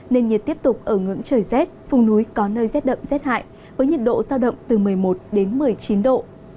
nên nhiệt tiếp tục ở ngưỡng trời rét vùng núi có nơi rét đậm rét hại với nhiệt độ giao động từ một mươi một đến một mươi chín độ